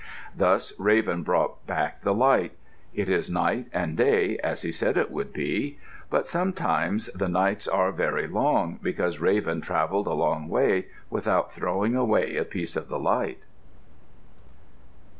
Thus Raven brought back the light. It is night and day, as he said it would be. But sometimes the nights are very long because Raven travelled a long way without throwing away a piece of the light.